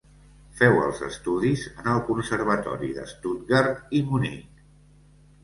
Féu els estudis en el Conservatori de Stuttgart i Munic.